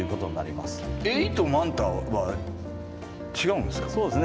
エイとマンタは違うんですか？